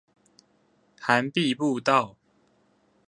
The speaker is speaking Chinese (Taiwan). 涵碧步道